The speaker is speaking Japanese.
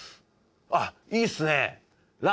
「あっいいっすね」